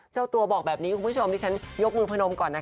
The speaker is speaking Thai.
เจ้าตัวบอกแบบนี้คุณผู้ชมดิฉันยกมือพนมก่อนนะคะ